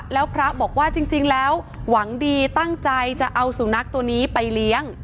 แล้วพระบอกว่าจริงแล้วหวังดีตั้งใจจะเอาสุนัขตัวนี้ไปเลี้ยง